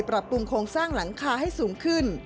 ปรับปรุงโครงสร้างหลังคาให้สูงขึ้น